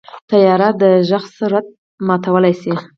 طیاره د غږ سرعت ماتولی شي.